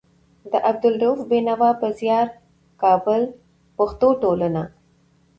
د عبدالروف بېنوا په زيار. کابل: پښتو ټولنه